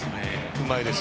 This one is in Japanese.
うまいです。